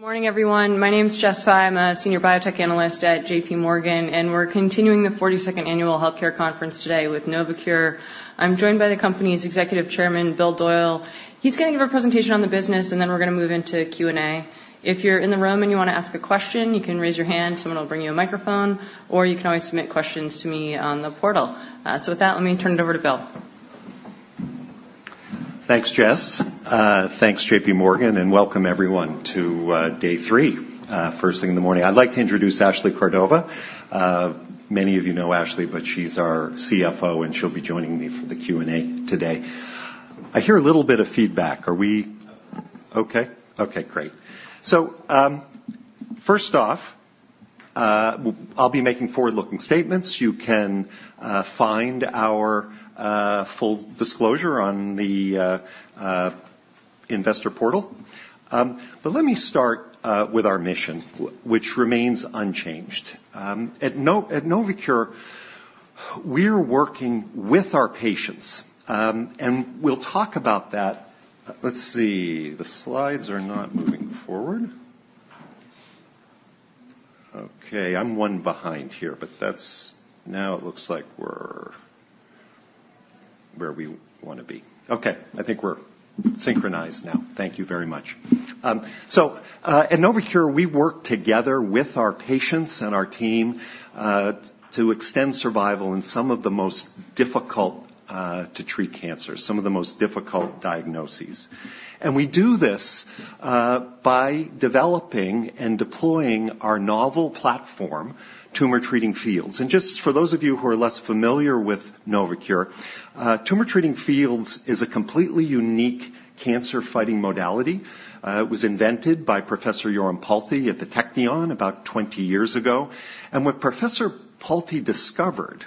Good morning, everyone. My name is Jessica Fye. I'm a senior biotech analyst at JPMorgan, and we're continuing the 42nd Annual Healthcare Conference today with Novocure. I'm joined by the company's executive chairman, Bill Doyle. He's going to give a presentation on the business, and then we're gonna move into Q&A. If you're in the room and you wanna ask a question, you can raise your hand, someone will bring you a microphone, or you can always submit questions to me on the portal. So with that, let me turn it over to Bill. Thanks, Jess. Thanks, JPMorgan, and welcome everyone to day three, first thing in the morning. I'd like to introduce Ashley Cordova. Many of you know Ashley, but she's our CFO, and she'll be joining me for the Q&A today. I hear a little bit of feedback. Are we okay? Okay, great. So, first off, I'll be making forward-looking statements. You can find our full disclosure on the investor portal. But let me start with our mission, which remains unchanged. At Novocure, we're working with our patients, and we'll talk about that. Let's see. The slides are not moving forward. Okay, I'm one behind here, but that's. Now it looks like we're where we wanna be. Okay, I think we're synchronized now. Thank you very much. So, at Novocure, we work together with our patients and our team to extend survival in some of the most difficult to treat cancers, some of the most difficult diagnoses. We do this by developing and deploying our novel platform, Tumor Treating Fields. Just for those of you who are less familiar with Novocure, Tumor Treating Fields is a completely unique cancer-fighting modality. It was invented by Professor Yoram Palti at the Technion about 20 years ago. What Professor Palti discovered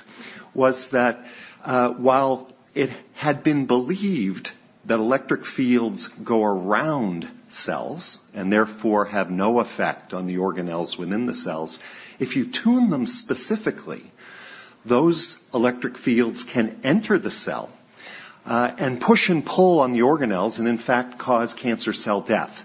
was that while it had been believed that electric fields go around cells and therefore have no effect on the organelles within the cells, if you tune them specifically, those electric fields can enter the cell and push and pull on the organelles, and in fact, cause cancer cell death.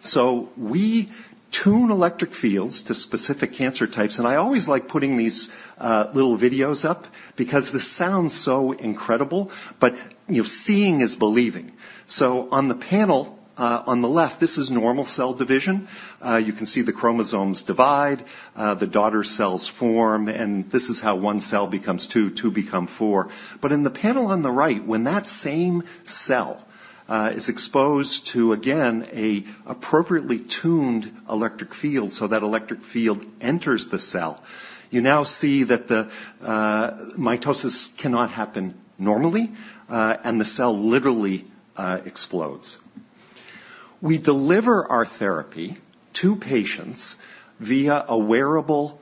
So we tune electric fields to specific cancer types, and I always like putting these little videos up because this sounds so incredible, but, you know, seeing is believing. So on the panel on the left, this is normal cell division. You can see the chromosomes divide, the daughter cells form, and this is how one cell becomes two, two become four. But in the panel on the right, when that same cell is exposed to, again, an appropriately tuned electric field, so that electric field enters the cell, you now see that the mitosis cannot happen normally, and the cell literally explodes. We deliver our therapy to patients via a wearable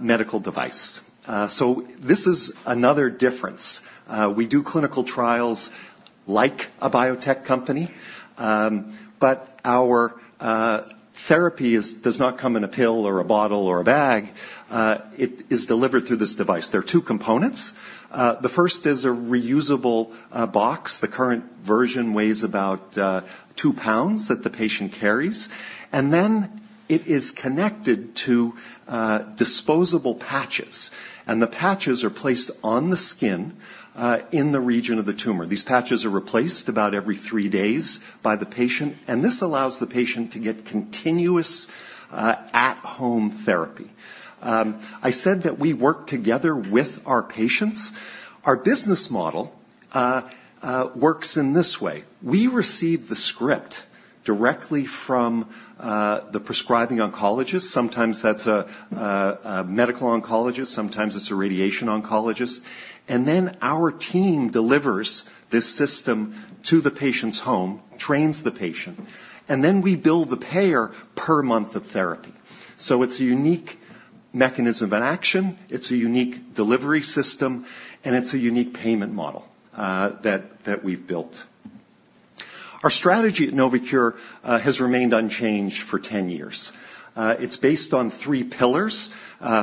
medical device. So this is another difference. We do clinical trials like a biotech company, but our therapy does not come in a pill or a bottle or a bag. It is delivered through this device. There are two components. The first is a reusable box. The current version weighs about two pounds, that the patient carries, and then it is connected to disposable patches, and the patches are placed on the skin in the region of the tumor. These patches are replaced about every 3 days by the patient, and this allows the patient to get continuous at-home therapy. I said that we work together with our patients. Our business model works in this way: We receive the script directly from the prescribing oncologist. Sometimes that's a medical oncologist, sometimes it's a radiation oncologist, and then our team delivers this system to the patient's home, trains the patient, and then we bill the payer per month of therapy. So it's a unique mechanism of action, it's a unique delivery system, and it's a unique payment model that we've built. Our strategy at Novocure has remained unchanged for 10 years. It's based on three pillars.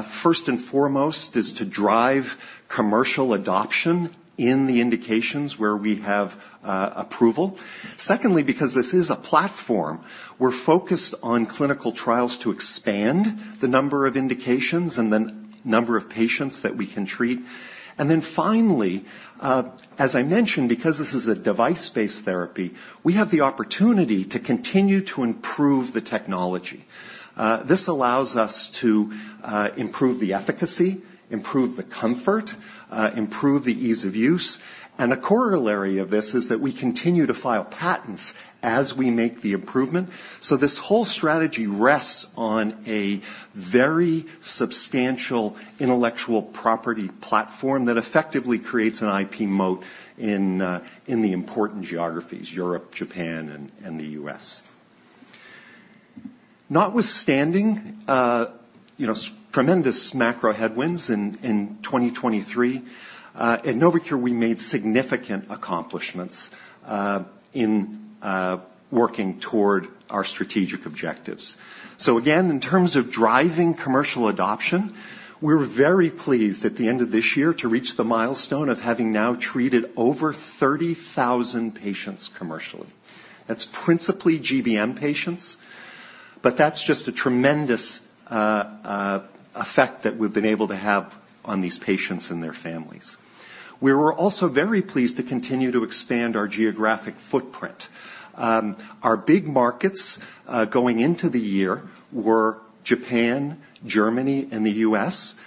First and foremost is to drive commercial adoption in the indications where we have approval. Secondly, because this is a platform, we're focused on clinical trials to expand the number of indications and the number of patients that we can treat. And then finally, as I mentioned, because this is a device-based therapy, we have the opportunity to continue to improve the technology. This allows us to improve the efficacy, improve the comfort, improve the ease of use. A corollary of this is that we continue to file patents as we make the improvement. This whole strategy rests on a very substantial intellectual property platform that effectively creates an IP moat in the important geographies, Europe, Japan, and the US. Notwithstanding, you know, tremendous macro headwinds in 2023, at Novocure, we made significant accomplishments in working toward our strategic objectives. Again, in terms of driving commercial adoption, we're very pleased at the end of this year to reach the milestone of having now treated over 30,000 patients commercially. That's principally GBM patients, but that's just a tremendous effect that we've been able to have on these patients and their families. We were also very pleased to continue to expand our geographic footprint. Our big markets going into the year were Japan, Germany, and the U.S.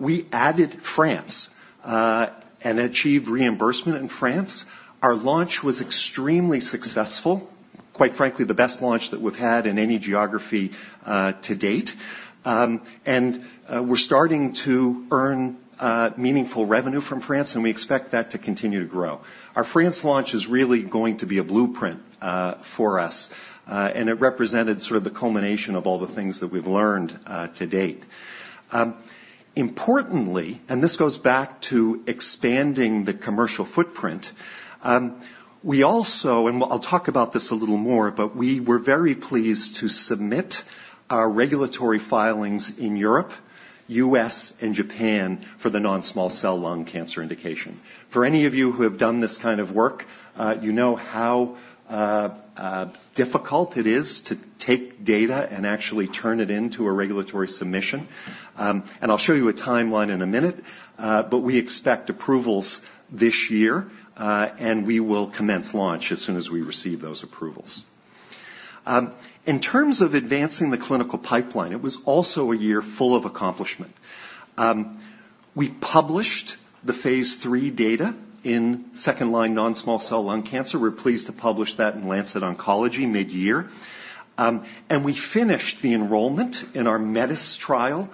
We added France and achieved reimbursement in France. Our launch was extremely successful, quite frankly, the best launch that we've had in any geography to date. We're starting to earn meaningful revenue from France, and we expect that to continue to grow. Our France launch is really going to be a blueprint for us, and it represented sort of the culmination of all the things that we've learned to date. Importantly, and this goes back to expanding the commercial footprint, we also, I'll talk about this a little more, but we were very pleased to submit our regulatory filings in Europe, U.S., and Japan for the non-small cell lung cancer indication. For any of you who have done this kind of work, you know how difficult it is to take data and actually turn it into a regulatory submission. I'll show you a timeline in a minute, but we expect approvals this year, and we will commence launch as soon as we receive those approvals. In terms of advancing the clinical pipeline, it was also a year full of accomplishment. We published the phase III data in second-line non-small cell lung cancer. We're pleased to publish that in Lancet Oncology mid-year. We finished the enrollment in our METIS trial.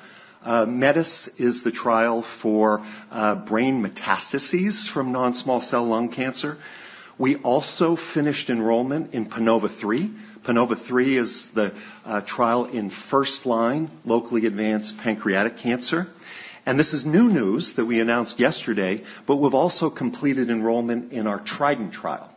METIS is the trial for brain metastases from non-small cell lung cancer. We also finished enrollment in PANOVA-3. PANOVA-3 is the trial in first-line locally advanced pancreatic cancer. This is new news that we announced yesterday, but we've also completed enrollment in our TRIDENT trial.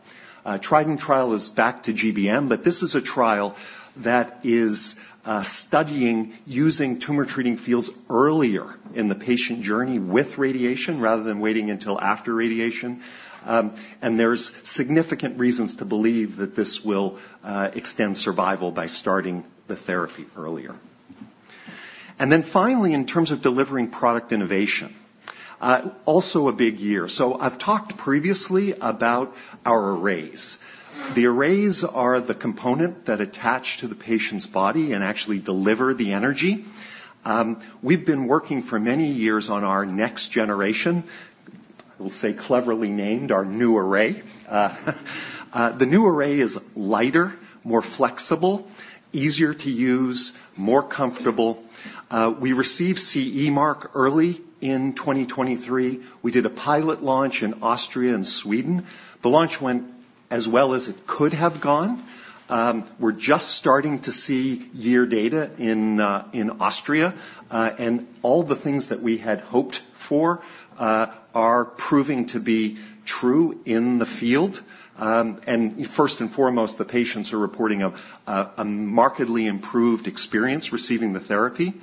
TRIDENT trial is back to GBM, but this is a trial that is studying using Tumor Treating Fields earlier in the patient journey with radiation rather than waiting until after radiation. There's significant reasons to believe that this will extend survival by starting the therapy earlier. Then finally, in terms of delivering product innovation, also a big year. I've talked previously about our arrays. The arrays are the component that attach to the patient's body and actually deliver the energy. We've been working for many years on our next generation, I will say cleverly named our new array. The new array is lighter, more flexible, easier to use, more comfortable. We received CE mark early in 2023. We did a pilot launch in Austria and Sweden. The launch went as well as it could have gone. We're just starting to see year data in Austria, and all the things that we had hoped for are proving to be true in the field. First and foremost, the patients are reporting a markedly improved experience receiving the therapy.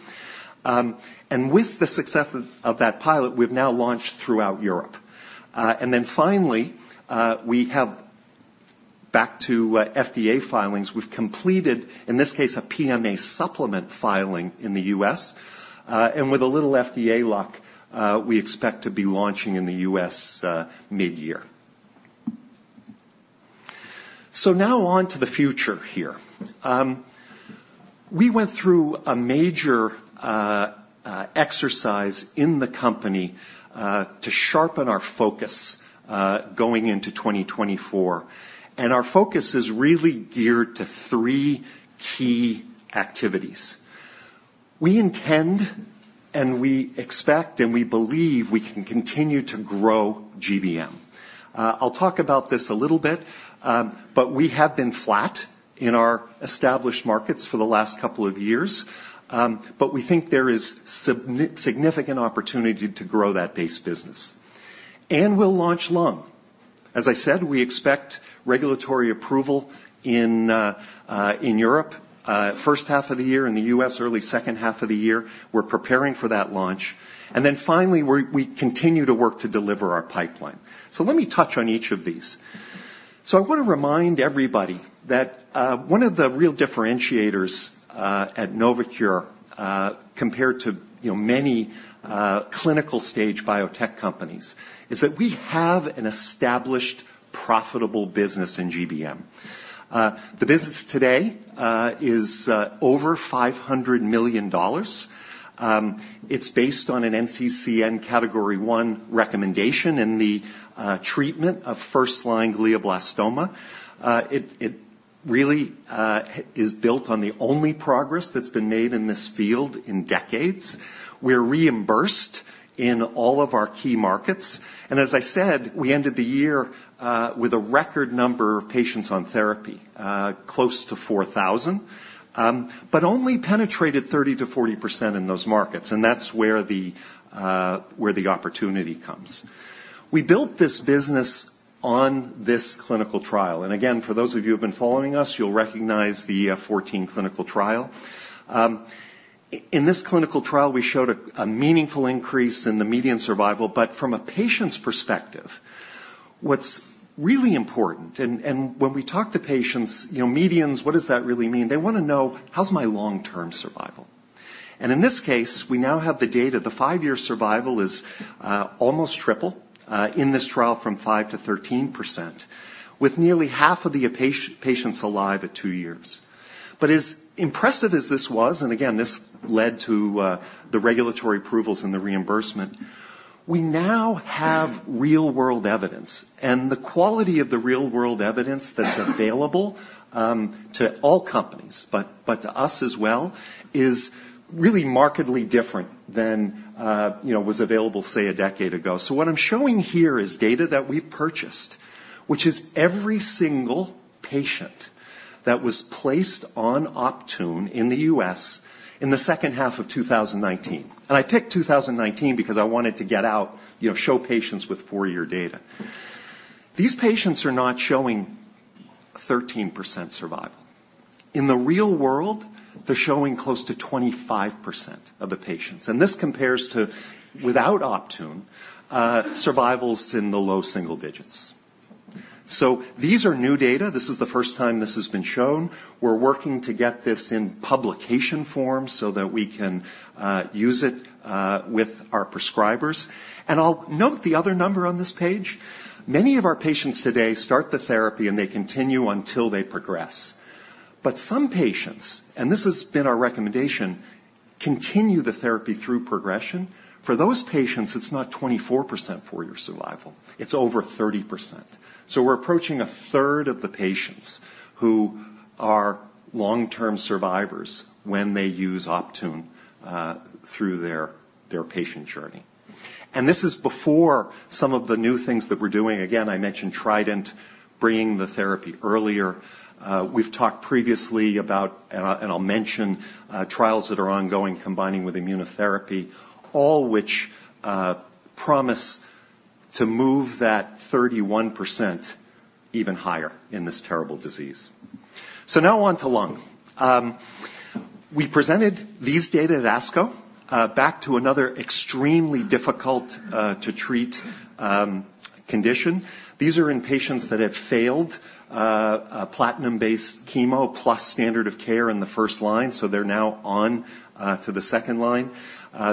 With the success of that pilot, we've now launched throughout Europe. Then finally, we have back to FDA filings, we've completed, in this case, a PMA supplement filing in the U.S. With a little FDA luck, we expect to be launching in the U.S. mid-year. Now on to the future here. We went through a major exercise in the company to sharpen our focus going into 2024, and our focus is really geared to three key activities. We intend, and we expect, and we believe we can continue to grow GBM. I'll talk about this a little bit, but we have been flat in our established markets for the last couple of years. But we think there is significant opportunity to grow that base business, and we'll launch lung. As I said, we expect regulatory approval in Europe first half of the year, in the U.S. early second half of the year. We're preparing for that launch. Then finally, we continue to work to deliver our pipeline. Let me touch on each of these. I want to remind everybody that one of the real differentiators at Novocure, compared to, you know, many clinical stage biotech companies, is that we have an established, profitable business in GBM. The business today is over $500 million. It's based on an NCCN Category 1 recommendation in the treatment of first-line glioblastoma. It really is built on the only progress that's been made in this field in decades. We're reimbursed in all of our key markets, and as I said, we ended the year with a record number of patients on therapy, close to 4,000, but only penetrated 30%-40% in those markets, and that's where the opportunity comes. We built this business on this clinical trial, and again, for those of you who have been following us, you'll recognize the EF-14 clinical trial. In this clinical trial, we showed a meaningful increase in the median survival. But from a patient's perspective, what's really important, and when we talk to patients, you know, medians, what does that really mean? They wanna know, "How's my long-term survival?" And in this case, we now have the data. The 5-year survival is almost triple in this trial from 5%-13%, with nearly half of the patients alive at 2 years. But as impressive as this was, and again, this led to the regulatory approvals and the reimbursement, we now have real-world evidence. The quality of the real-world evidence that's available to all companies, but to us as well, is really markedly different than you know was available, say, a decade ago. So what I'm showing here is data that we've purchased, which is every single patient that was placed on Optune in the U.S. in the second half of 2019. I picked 2019 because I wanted to get out, you know, show patients with 4-year data. These patients are not showing 13% survival. In the real world, they're showing close to 25% of the patients, and this compares to without Optune, survivals in the low single digits. So these are new data. This is the first time this has been shown. We're working to get this in publication form so that we can, use it, with our prescribers. And I'll note the other number on this page. Many of our patients today start the therapy, and they continue until they progress. But some patients, and this has been our recommendation, continue the therapy through progression. For those patients, it's not 24% four-year survival, it's over 30%. So we're approaching a third of the patients who are long-term survivors when they use Optune, through their patient journey. And this is before some of the new things that we're doing. Again, I mentioned TRIDENT, bringing the therapy earlier. We've talked previously about, and I'll mention, trials that are ongoing, combining with immunotherapy, all which promise to move that 31% even higher in this terrible disease. So now on to lung. We presented these data at ASCO, back to another extremely difficult to treat condition. These are in patients that have failed a platinum-based chemo plus standard of care in the first line, so they're now on to the second line.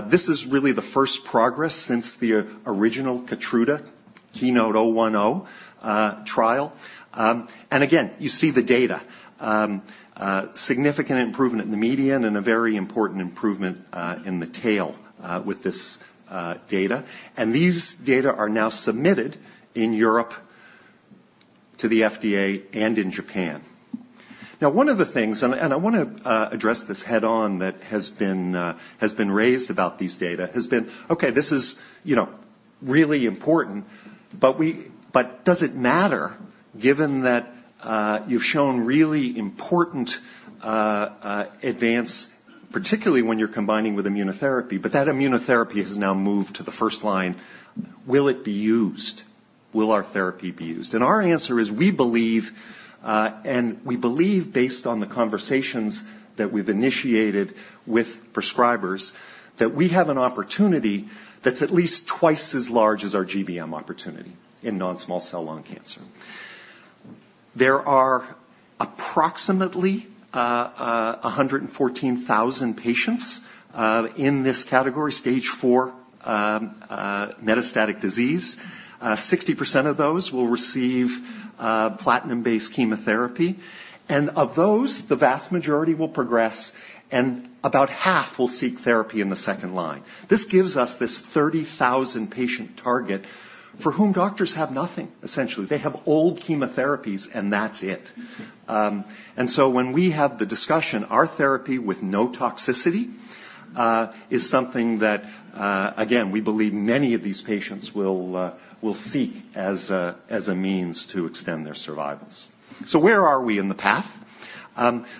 This is really the first progress since the original Keytruda, KEYNOTE-010 trial. And again, you see the data. Significant improvement in the median and a very important improvement in the tail with this data. And these data are now submitted in Europe to the FDA and in Japan. Now, one of the things and I wanna address this head-on that has been raised about these data has been, "Okay, this is, you know, really important, but does it matter, given that you've shown really important advance, particularly when you're combining with immunotherapy, but that immunotherapy has now moved to the first line? Will it be used? Will our therapy be used?" And our answer is we believe, and we believe, based on the conversations that we've initiated with prescribers, that we have an opportunity that's at least twice as large as our GBM opportunity in non-small cell lung cancer. There are approximately 114,000 patients in this category, Stage Four metastatic disease. 60% of those will receive platinum-based chemotherapy, and of those, the vast majority will progress, and about half will seek therapy in the second line. This gives us this 30,000 patient target for whom doctors have nothing, essentially. They have old chemotherapies, and that's it. And so when we have the discussion, our therapy with no toxicity is something that, again, we believe many of these patients will seek as a means to extend their survivals. So where are we in the path?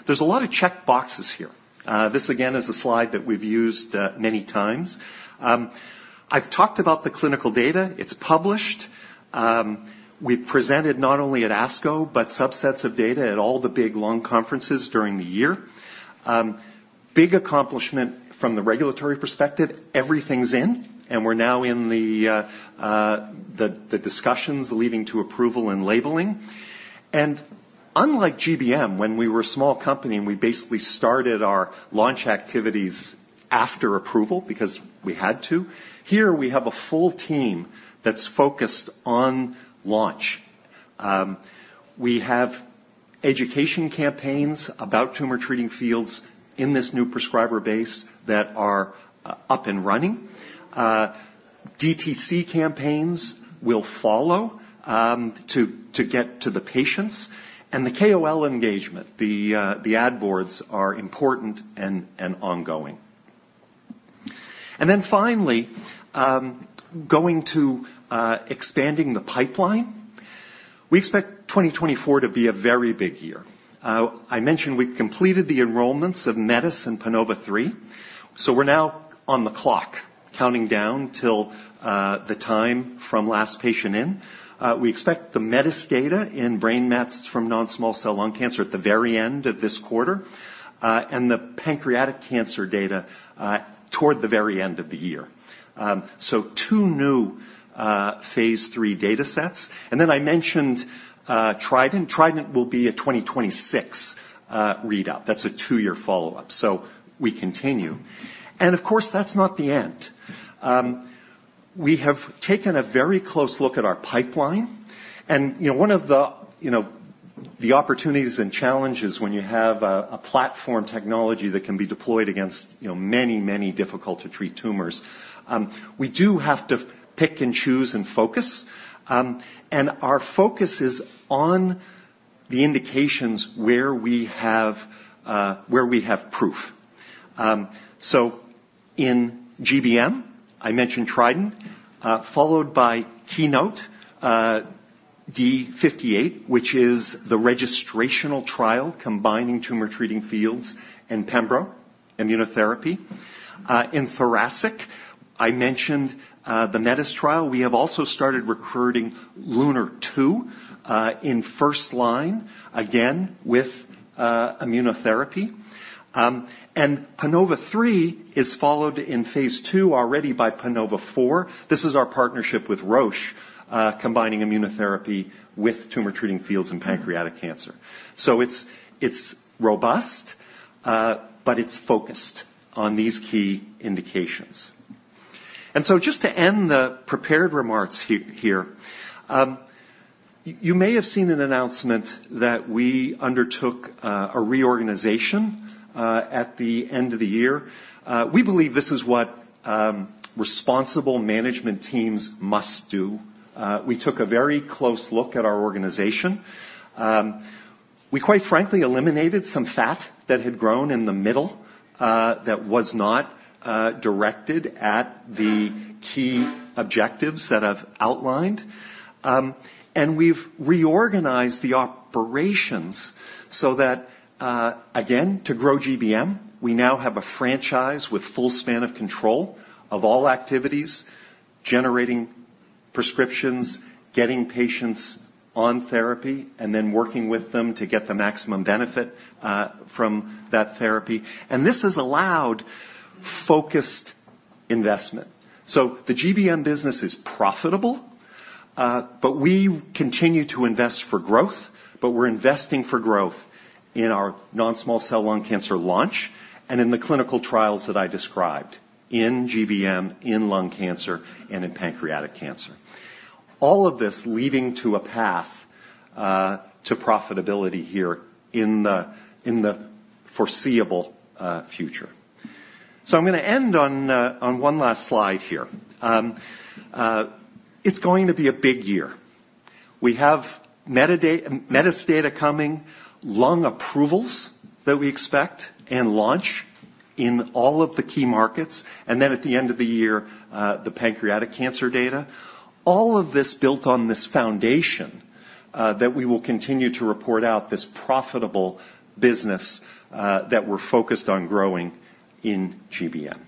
There's a lot of checked boxes here. This again is a slide that we've used many times. I've talked about the clinical data. It's published. We've presented not only at ASCO, but subsets of data at all the big lung conferences during the year. Big accomplishment from the regulatory perspective, everything's in, and we're now in the discussions leading to approval and labeling. Unlike GBM, when we were a small company, and we basically started our launch activities after approval because we had to, here, we have a full team that's focused on launch. We have education campaigns about Tumor Treating Fields in this new prescriber base that are up and running. DTC campaigns will follow, to get to the patients and the KOL engagement. The ad boards are important and ongoing. Then finally, going to expanding the pipeline. We expect 2024 to be a very big year. I mentioned we've completed the enrollments of METIS and PANOVA-3, so we're now on the clock, counting down till the time from last patient in. We expect the METIS data in brain mets from non-small cell lung cancer at the very end of this quarter, and the pancreatic cancer data toward the very end of the year. So two new phase III data sets. And then I mentioned TRIDENT. TRIDENT will be a 2026 readout. That's a two-year follow-up, so we continue. And of course, that's not the end. We have taken a very close look at our pipeline, and, you know, one of the, you know, the opportunities and challenges when you have a platform technology that can be deployed against, you know, many, many difficult to treat tumors. We do have to pick and choose and focus, and our focus is on the indications where we have proof. So in GBM, I mentioned TRIDENT, followed by KEYNOTE-D58, which is the registrational trial combining Tumor Treating Fields and pembro immunotherapy. In thoracic, I mentioned the METIS trial. We have also started recruiting LUNAR-2 in first-line, again, with immunotherapy. And PANOVA-3 is followed in phase II already by PANOVA-4. This is our partnership with Roche, combining immunotherapy with Tumor Treating Fields and pancreatic cancer. So it's robust, but it's focused on these key indications. And so just to end the prepared remarks here, you may have seen an announcement that we undertook a reorganization at the end of the year. We believe this is what responsible management teams must do. We took a very close look at our organization. We, quite frankly, eliminated some fat that had grown in the middle, that was not directed at the key objectives that I've outlined. And we've reorganized the operations so that, again, to grow GBM, we now have a franchise with full span of control of all activities, generating prescriptions, getting patients on therapy, and then working with them to get the maximum benefit from that therapy. And this has allowed focused investment. So the GBM business is profitable, but we continue to invest for growth, but we're investing for growth in our non-small cell lung cancer launch and in the clinical trials that I described in GBM, in lung cancer, and in pancreatic cancer. All of this leading to a path to profitability here in the, in the foreseeable future. So I'm gonna end on, on one last slide here. It's going to be a big year. We have METIS data coming, lung approvals that we expect and launch in all of the key markets, and then at the end of the year, the pancreatic cancer data. All of this built on this foundation that we will continue to report out this profitable business that we're focused on growing in GBM.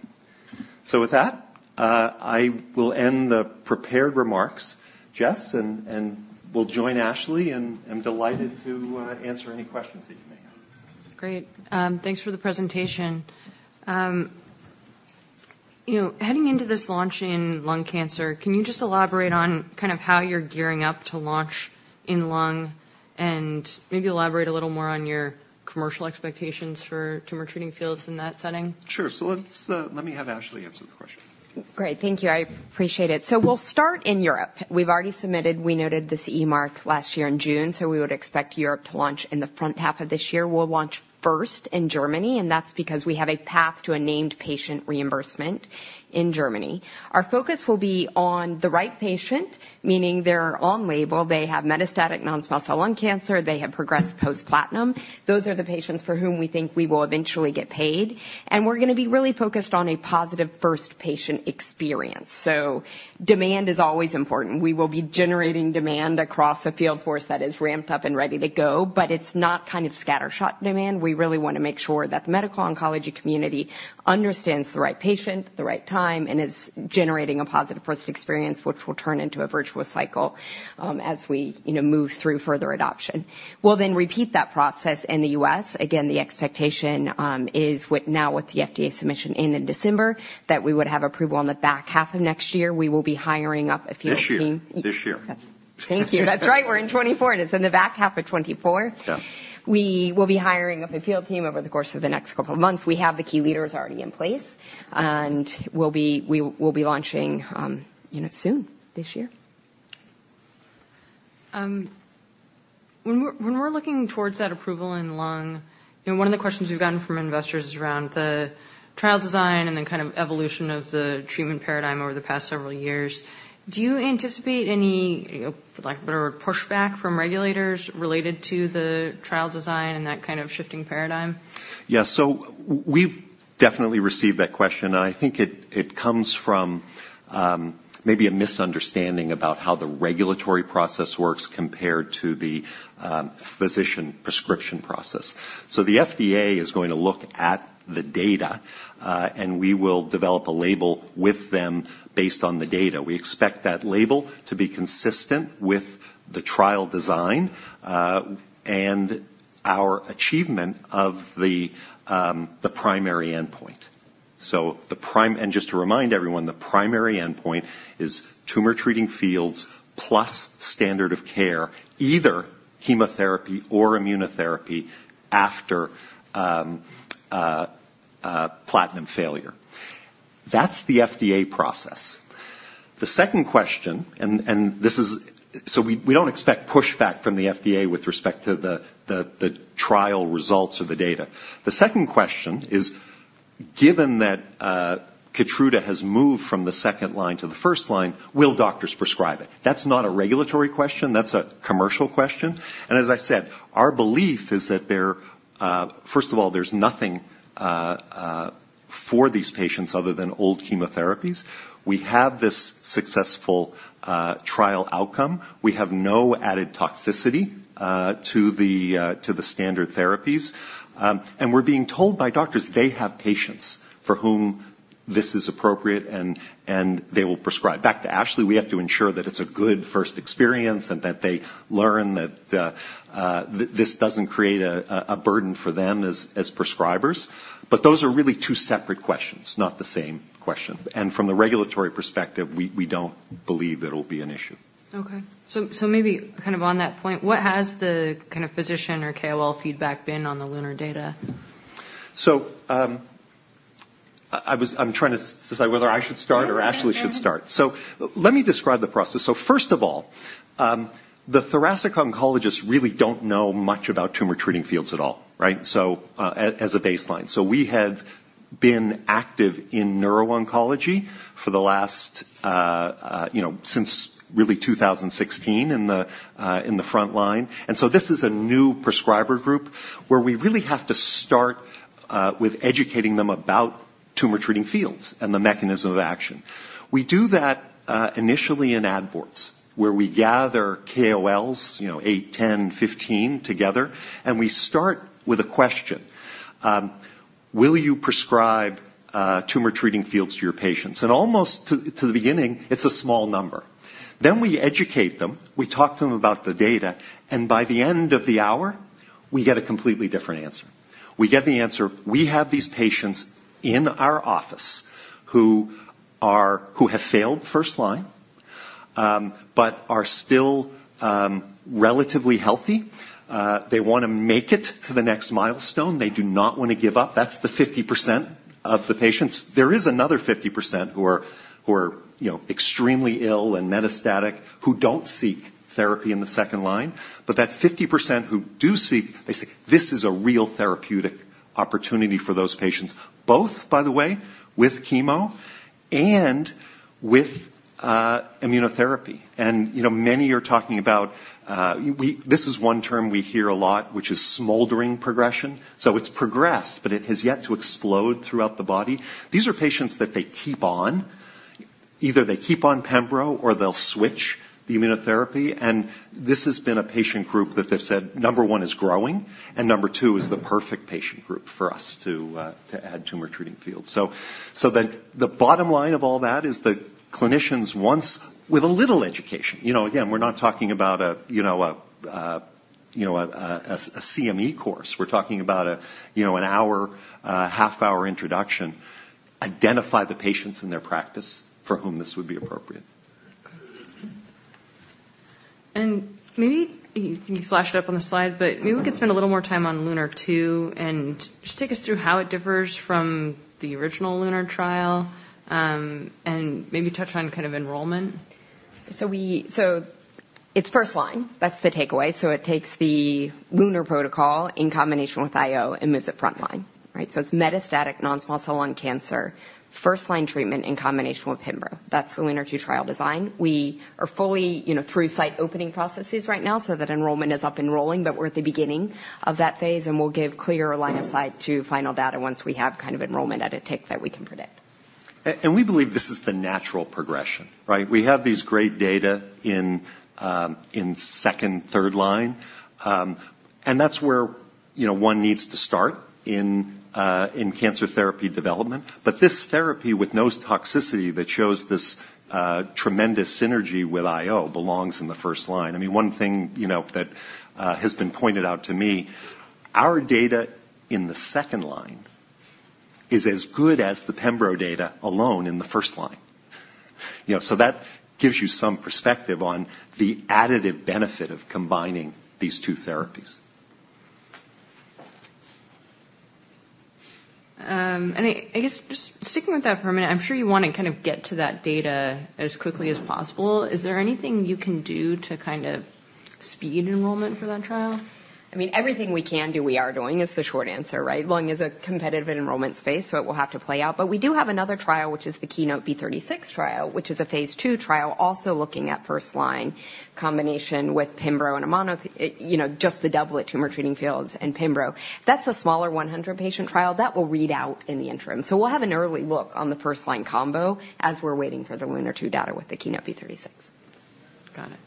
So with that, I will end the prepared remarks. Jess, and we'll join Ashley, and I'm delighted to answer any questions that you may have. Great. Thanks for the presentation. You know, heading into this launch in lung cancer, can you just elaborate on kind of how you're gearing up to launch in lung? And maybe elaborate a little more on your commercial expectations for Tumor Treating Fields in that setting. Sure. So let's... Let me have Ashley answer the question. Great. Thank you. I appreciate it. So we'll start in Europe. We've already submitted, we noted this CE mark last year in June, so we would expect Europe to launch in the front half of this year. We'll launch first in Germany, and that's because we have a path to a named patient reimbursement in Germany. Our focus will be on the right patient, meaning they're on-label, they have metastatic non-small cell lung cancer, they have progressed post platinum. Those are the patients for whom we think we will eventually get paid, and we're gonna be really focused on a positive first patient experience. So demand is always important. We will be generating demand across a field force that is ramped up and ready to go, but it's not kind of scattershot demand. We really want to make sure that the medical oncology community understands the right patient, the right time, and is generating a positive first experience, which will turn into a virtuous cycle, as we, you know, move through further adoption. We'll then repeat that process in the U.S. Again, the expectation is, now with the FDA submission in December, that we would have approval in the back half of next year. We will be hiring up a field team. This year. This year. Thank you. That's right, we're in 2024. It is in the back half of 2024. Yeah. We will be hiring up a field team over the course of the next couple of months. We have the key leaders already in place, and we'll be launching, you know, soon, this year. When we're looking towards that approval in lung, you know, one of the questions we've gotten from investors is around the trial design and then kind of evolution of the treatment paradigm over the past several years. Do you anticipate any pushback from regulators related to the trial design and that kind of shifting paradigm? Yes. So we've definitely received that question, and I think it comes from maybe a misunderstanding about how the regulatory process works compared to the physician prescription process. So the FDA is going to look at the data, and we will develop a label with them based on the data. We expect that label to be consistent with the trial design and our achievement of the primary endpoint. And just to remind everyone, the primary endpoint is Tumor Treating Fields plus standard of care, either chemotherapy or immunotherapy, after a platinum failure. That's the FDA process. The second question, and this is so we don't expect pushback from the FDA with respect to the trial results of the data. The second question is, given that Keytruda has moved from the second line to the first line, will doctors prescribe it? That's not a regulatory question, that's a commercial question. And as I said, our belief is that there. First of all, there's nothing for these patients other than old chemotherapies. We have this successful trial outcome. We have no added toxicity to the standard therapies. And we're being told by doctors they have patients for whom this is appropriate, and they will prescribe. Back to Ashley, we have to ensure that it's a good first experience and that they learn that this doesn't create a burden for them as prescribers. But those are really two separate questions, not the same question. And from the regulatory perspective, we don't believe it'll be an issue. Okay. So, so maybe kind of on that point, what has the kind of physician or KOL feedback been on the LUNAR data? So, I'm trying to decide whether I should start or Ashley should start. Yeah, yeah. So let me describe the process. So first of all, the thoracic oncologists really don't know much about Tumor Treating Fields at all, right? So, as a baseline. So we have been active in neuro-oncology for the last, you know, since really 2016 in the front line. And so this is a new prescriber group where we really have to start with educating them about Tumor Treating Fields and the mechanism of action. We do that initially in ad boards, where we gather KOLs, you know, 8, 10, 15 together, and we start with a question: Will you prescribe Tumor Treating Fields to your patients? And almost at the beginning, it's a small number. Then we educate them, we talk to them about the data, and by the end of the hour, we get a completely different answer. We get the answer: We have these patients in our office who are who have failed first line, but are still relatively healthy. They want to make it to the next milestone. They do not want to give up. That's the 50% of the patients. There is another 50% who are, who are, you know, extremely ill and metastatic, who don't seek therapy in the second line. But that 50% who do seek, they say, "This is a real therapeutic opportunity for those patients," both, by the way, with chemo and with immunotherapy. And, you know, many are talking about this is one term we hear a lot, which is smoldering progression. So it's progressed, but it has yet to explode throughout the body. These are patients that they keep on. Either they keep on pembro, or they'll switch the immunotherapy, and this has been a patient group that they've said, number one, is growing, and number two, is the perfect patient group for us to add Tumor Treating Fields. So then the bottom line of all that is that clinicians, once with a little education... You know, again, we're not talking about a, you know, a CME course. We're talking about a, you know, an hour, half-hour introduction, identify the patients in their practice for whom this would be appropriate. Maybe you flashed it up on the slide, but maybe we could spend a little more time on LUNAR-2 and just take us through how it differs from the original LUNAR trial, and maybe touch on kind of enrollment? So it's first line. That's the takeaway. So it takes the LUNAR protocol in combination with IO and moves it front line, right? So it's metastatic non-small cell lung cancer, first line treatment in combination with pembro. That's the LUNAR-2 trial design. We are fully through site opening processes right now, so that enrollment is up and rolling, but we're at the beginning of that phase, and we'll give clear line of sight to final data once we have kind of enrollment at a tick that we can predict. And we believe this is the natural progression, right? We have these great data in second, third line, and that's where, you know, one needs to start in cancer therapy development. But this therapy, with no toxicity that shows this tremendous synergy with IO, belongs in the first line. I mean, one thing, you know, that has been pointed out to me, our data in the second line is as good as the pembro data alone in the first line. You know, so that gives you some perspective on the additive benefit of combining these two therapies. I guess just sticking with that for a minute, I'm sure you want to kind of get to that data as quickly as possible. Is there anything you can do to kind of speed enrollment for that trial? I mean, everything we can do, we are doing, is the short answer, right? Lung is a competitive enrollment space, so it will have to play out. But we do have another trial, which is the KEYNOTE-B36 trial, which is a phase II trial, also looking at first-line combination with pembro, you know, just the doublet Tumor Treating Fields and pembro. That's a smaller 100-patient trial that will read out in the interim. So we'll have an early look on the first-line combo as we're waiting for the LUNAR-2 data with the KEYNOTE-B36. Got it.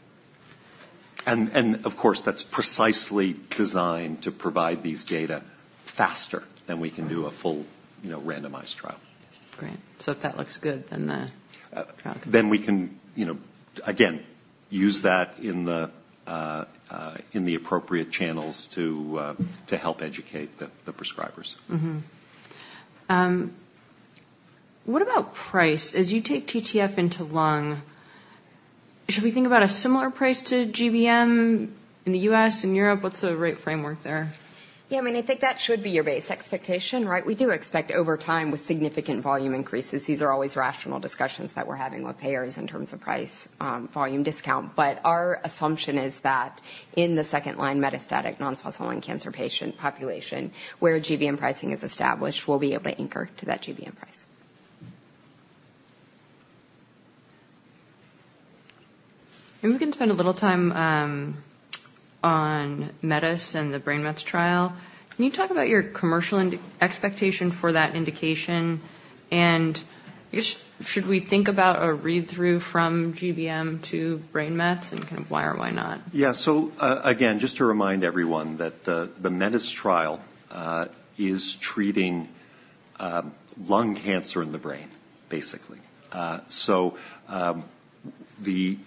And of course, that's precisely designed to provide these data faster than we can do a full, you know, randomized trial. Great. If that looks good, then the trial can. Then we can, you know, again, use that in the appropriate channels to help educate the prescribers. What about price? As you take TTF into lung, should we think about a similar price to GBM in the US, in Europe? What's the right framework there? Yeah, I mean, I think that should be your base expectation, right? We do expect over time, with significant volume increases, these are always rational discussions that we're having with payers in terms of price, volume discount. But our assumption is that in the second-line metastatic non-small cell lung cancer patient population, where GBM pricing is established, we'll be able to anchor to that GBM price. We can spend a little time on METIS and the brain mets trial. Can you talk about your commercial indication expectation for that indication, and just should we think about a read-through from GBM to brain mets, and kind of why or why not? Yeah. So, again, just to remind everyone that the METIS trial is treating lung cancer in the brain, basically. So, the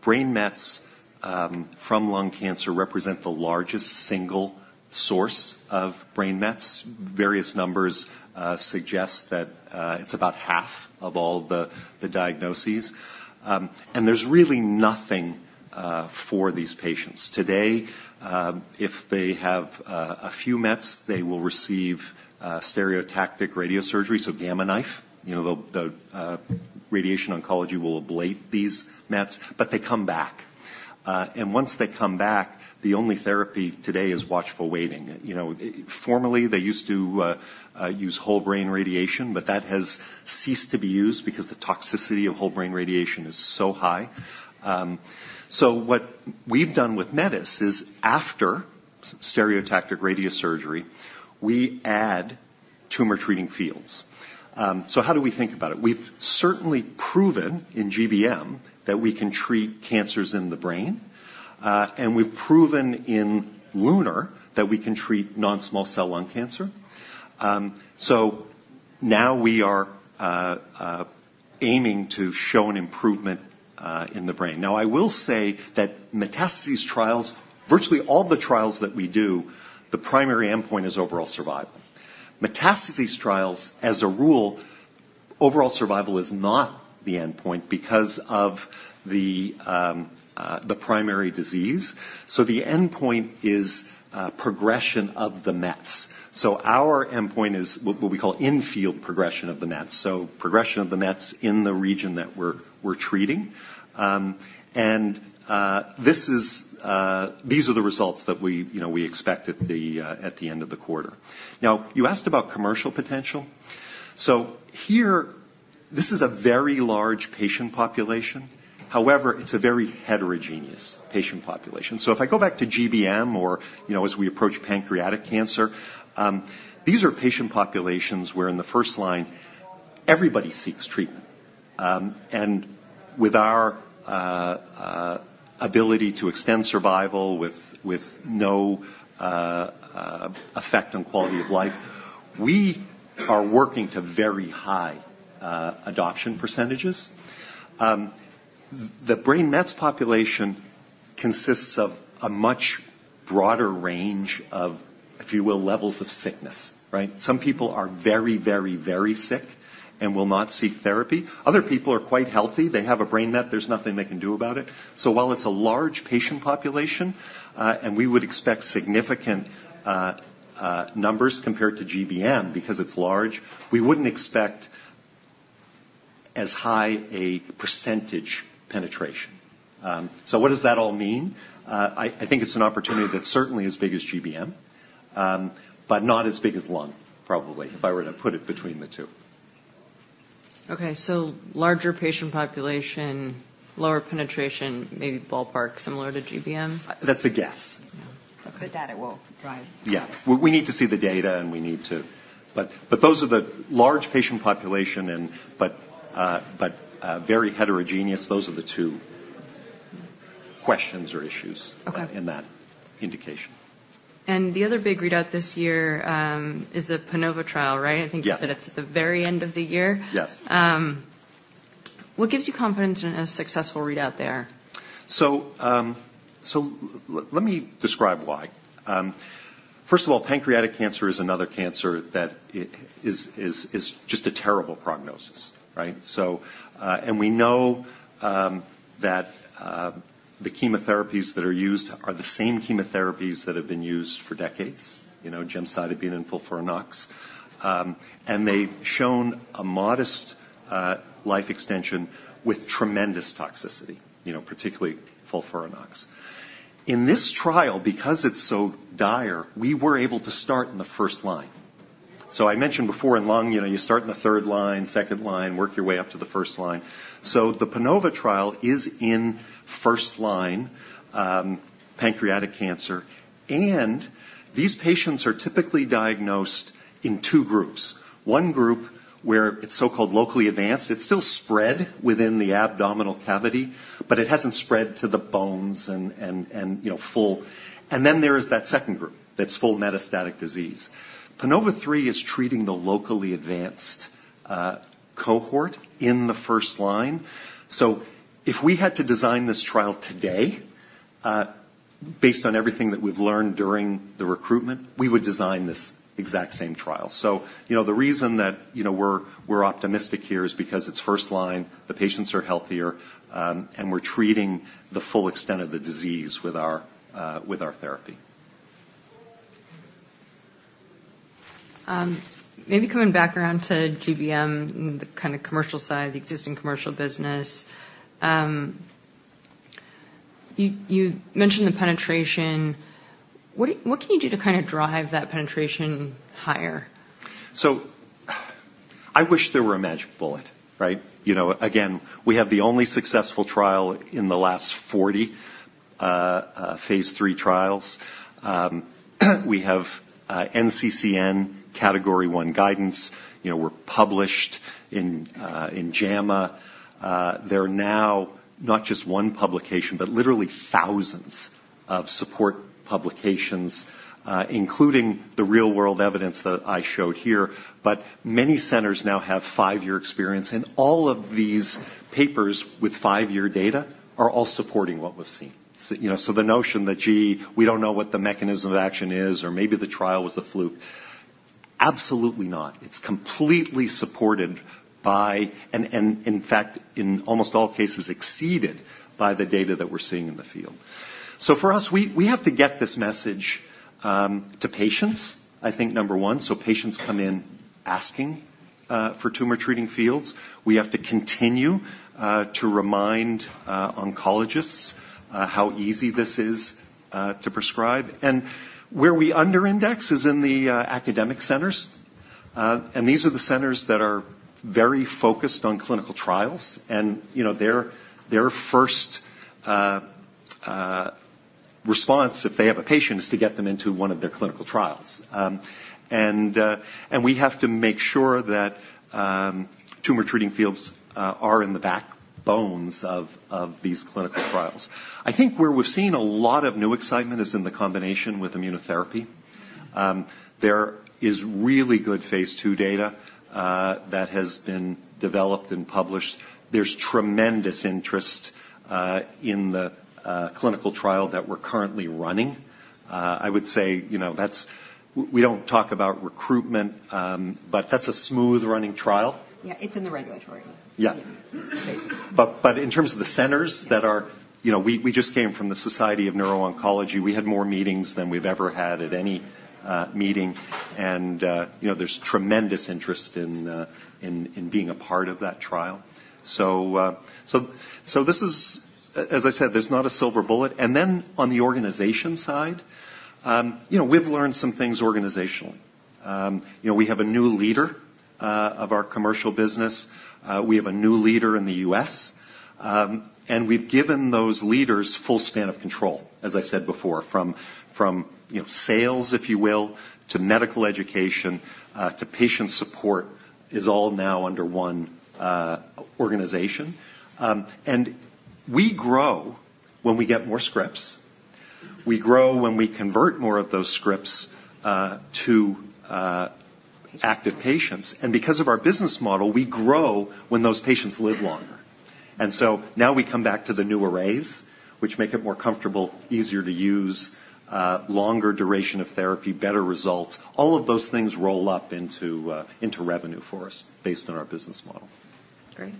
brain mets from lung cancer represent the largest single source of brain mets. Various numbers suggest that it's about half of all the diagnoses. And there's really nothing for these patients. Today, if they have a few mets, they will receive stereotactic radiosurgery, so Gamma Knife. You know, the radiation oncology will ablate these mets, but they come back. And once they come back, the only therapy today is watchful waiting. You know, formerly, they used to use whole brain radiation, but that has ceased to be used because the toxicity of whole brain radiation is so high. So what we've done with METIS is after stereotactic radiosurgery, we add Tumor Treating Fields. So how do we think about it? We've certainly proven in GBM that we can treat cancers in the brain, and we've proven in LUNAR that we can treat non-small cell lung cancer. So now we are aiming to show an improvement in the brain. Now, I will say that metastases trials. Virtually all the trials that we do, the primary endpoint is overall survival. Metastasis trials, as a rule, overall survival is not the endpoint because of the primary disease, so the endpoint is progression of the mets. So our endpoint is what we call in-field progression of the mets, so progression of the mets in the region that we're treating. These are the results that we, you know, we expect at the end of the quarter. Now, you asked about commercial potential. So here, this is a very large patient population. However, it's a very heterogeneous patient population. So if I go back to GBM or, you know, as we approach pancreatic cancer, these are patient populations where in the first line, everybody seeks treatment. And with our ability to extend survival with no effect on quality of life, we are working to very high adoption percentages. The brain mets population consists of a much broader range of, if you will, levels of sickness, right? Some people are very, very, very sick and will not seek therapy. Other people are quite healthy. They have a brain met, there's nothing they can do about it. So while it's a large patient population, and we would expect significant numbers compared to GBM because it's large, we wouldn't expect as high a percentage penetration. So what does that all mean? I think it's an opportunity that's certainly as big as GBM, but not as big as lung, probably, if I were to put it between the two. Okay, so larger patient population, lower penetration, maybe ballpark similar to GBM? That's a guess. Yeah. But that it will drive. Yeah. We need to see the data, and we need to... But those are the large patient population and very heterogeneous. Those are the two questions or issues in that indication. The other big readout this year is the PANOVA trial, right? Yes. I think you said it's at the very end of the year? Yes. What gives you confidence in a successful readout there? So, let me describe why. First of all, pancreatic cancer is another cancer that is just a terrible prognosis, right? So, and we know that the chemotherapies that are used are the same chemotherapies that have been used for decades, you know, gemcitabine and FOLFIRINOX. And they've shown a modest life extension with tremendous toxicity, you know, particularly FOLFIRINOX. In this trial, because it's so dire, we were able to start in the first line. So I mentioned before, in lung, you know, you start in the third line, second line, work your way up to the first line. So the PANOVA trial is in first line pancreatic cancer, and these patients are typically diagnosed in two groups. One group, where it's so-called locally advanced. It's still spread within the abdominal cavity, but it hasn't spread to the bones and, you know, full. And then there is that second group, that's full metastatic disease. PANOVA-3 is treating the locally advanced cohort in the first line. So if we had to design this trial today, based on everything that we've learned during the recruitment, we would design this exact same trial. So, you know, the reason that, you know, we're optimistic here is because it's first line, the patients are healthier, and we're treating the full extent of the disease with our therapy. Maybe coming back around to GBM, the kinda commercial side, the existing commercial business. You mentioned the penetration. What can you do to kinda drive that penetration higher? So I wish there were a magic bullet, right? You know, again, we have the only successful trial in the last 40 phase III trials. We have NCCN Category 1 guidance. You know, we're published in JAMA. There are now not just one publication, but literally thousands of support publications, including the real-world evidence that I showed here. But many centers now have five-year experience, and all of these papers with five-year data are all supporting what we've seen. So, you know, so the notion that, gee, we don't know what the mechanism of action is, or maybe the trial was a fluke, absolutely not. It's completely supported by... and, and in fact, in almost all cases, exceeded by the data that we're seeing in the field. So for us, we have to get this message to patients, I think, number one, so patients come in asking for Tumor Treating Fields. We have to continue to remind oncologists how easy this is to prescribe. Where we under index is in the academic centers. These are the centers that are very focused on clinical trials, and, you know, their first response, if they have a patient, is to get them into one of their clinical trials. We have to make sure that Tumor Treating Fields are in the backbones of these clinical trials. I think where we've seen a lot of new excitement is in the combination with immunotherapy. There is really good phase II data that has been developed and published. There's tremendous interest in the clinical trial that we're currently running. I would say, you know, that's... We don't talk about recruitment, but that's a smooth-running trial. Yeah, it's in the regulatory. Yeah. Okay. But in terms of the centers that are... You know, we just came from the Society for Neuro-Oncology. We had more meetings than we've ever had at any meeting, and you know, there's tremendous interest in being a part of that trial. So this is... As I said, there's not a silver bullet. And then on the organization side, you know, we've learned some things organizationally. You know, we have a new leader of our commercial business, we have a new leader in the U.S., and we've given those leaders full span of control, as I said before, from sales, if you will, to medical education to patient support, is all now under one organization. And we grow when we get more scripts. We grow when we convert more of those scripts to active patients, and because of our business model, we grow when those patients live longer. And so now we come back to the new arrays, which make it more comfortable, easier to use, longer duration of therapy, better results. All of those things roll up into revenue for us, based on our business model. Great.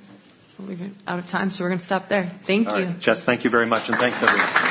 We're out of time, so we're gonna stop there. Thank you. All right. Jess, thank you very much, and thanks, everyone.